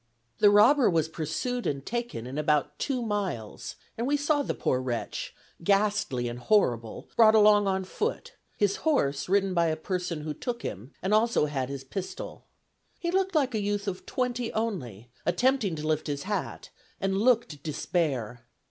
The robber was pursued and taken in about two miles, and we saw the poor wretch, ghastly and horrible, brought along on foot: his horse ridden by a person who took him, who also had his pistol. He looked like a youth of twenty only, attempting to lift his hat, and looked despair.